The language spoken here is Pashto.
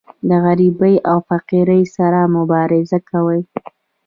د غریبۍ او فقر سره مبارزه کوي.